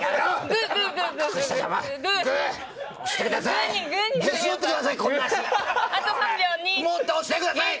グーにしてください！